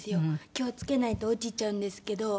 気をつけないと落ちちゃうんですけど。